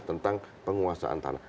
tentang penguasaan tanah